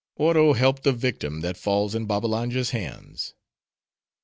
_)—Oro help the victim that falls in Babbalanja's hands!